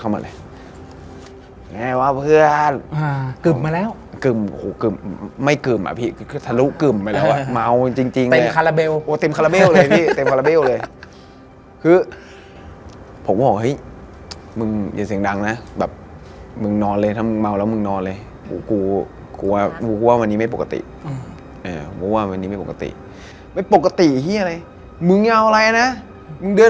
คนหลับคนนอนอยู่ดื่นแล้วลูกเบาหน่อยพี่เอออะไรอย่างนี้